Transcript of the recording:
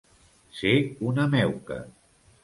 Ser una meuca.